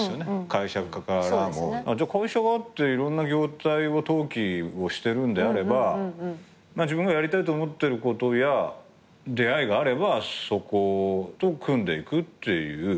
会社があっていろんな業態を登記をしてるんであれば自分がやりたいと思ってることや出会いがあればそこと組んでいくっていう。